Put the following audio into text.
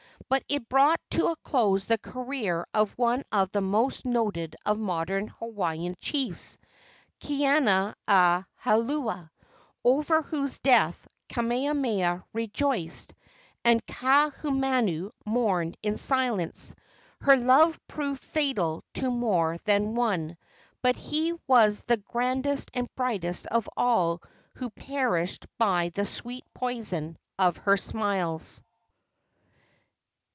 But it brought to a close the career of one of the most noted of modern Hawaiian chiefs Kaiana a Ahaula over whose death Kamehameha rejoiced, and Kaahumanu mourned in silence. Her love proved fatal to more than one, but he was the grandest and brightest of all who perished by the sweet poison of her smiles.